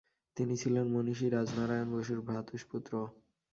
তিনি ছিলেন মনীষী রাজনারায়ণ বসুর ভ্রাতুষ্পুত্র।